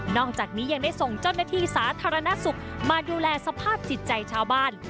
อกจากนี้ยังได้ส่งเจ้าหน้าที่สาธารณสุขมาดูแลสภาพจิตใจชาวบ้าน